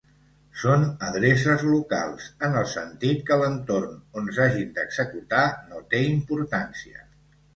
Són adreces locals en el sentit que l'entorn on s'hagin d'executar no té importància.